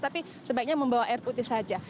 tapi sebaiknya membawa air putih saja